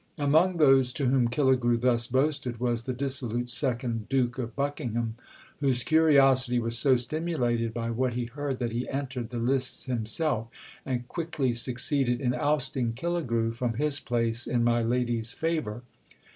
Among those to whom Killigrew thus boasted was the dissolute second Duke of Buckingham, whose curiosity was so stimulated by what he heard that he entered the lists himself, and quickly succeeded in ousting Killigrew from his place in my lady's favour.